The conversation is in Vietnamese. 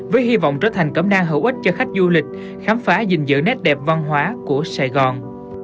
với hy vọng trở thành cấm nang hữu ích cho khách du lịch khám phá dình dự nét đẹp văn hóa của sài gòn